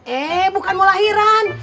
eh bukan mau lahiran